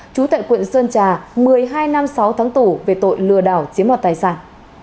chú tại quận sơn trà một mươi hai năm sáu tháng tủ về tội lừa đảo chiếm hoạt tài sản